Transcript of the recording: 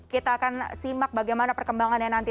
kita akan simak bagaimana perkembangannya nanti